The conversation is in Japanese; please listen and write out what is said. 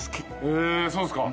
へぇそうですか。